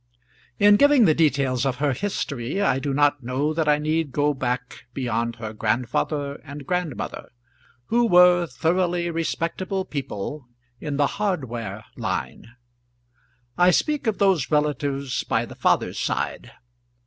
In giving the details of her history, I do not know that I need go back beyond her grandfather and grandmother, who were thoroughly respectable people in the hardware line; I speak of those relatives by the father's side.